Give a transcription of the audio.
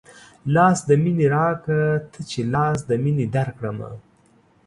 لاس د مينې راکه تۀ چې لاس د مينې درکړمه